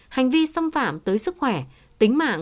hành vi xâm phạm tới sức khỏe tính mạng